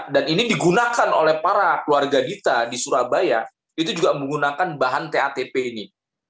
dan ini digunakan oleh para keluarga kita di surabaya itu juga menggunakan bahan tatp ini